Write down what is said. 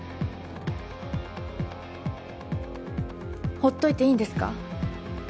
ほっといていいんですか？